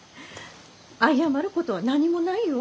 謝ることは何もないよ。